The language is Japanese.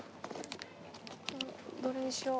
どれにしよう？